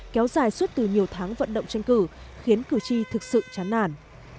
kéo dài suốt từ nhiều tháng vận động tranh cử khiến cử tri thực sự chán nản